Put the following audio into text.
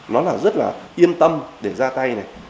nó là rất là yên tâm để ra tay này